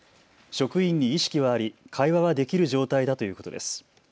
職員に意識はあり、会話はできる状態だということです。